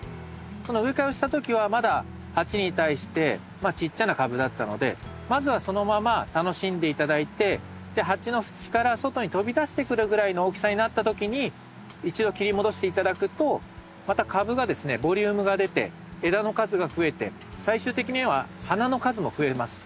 植え替えをした時はまだ鉢に対してまあちっちゃな株だったのでまずはそのまま楽しんで頂いて鉢の縁から外に飛び出してくるぐらいの大きさになった時に一度切り戻して頂くとまた株がですねボリュームが出て枝の数が増えて最終的には花の数も増えます。